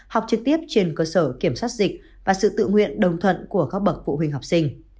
học trực tiếp trên cơ sở kiểm soát dịch và sự tự nguyện đồng thuận của các bậc phụ huynh học sinh